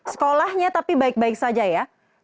sekolahnya tapi baik baik saja ya